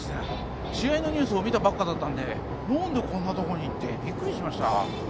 試合のニュースを見たばっかだったので何でこんなとこに？ってびっくりしました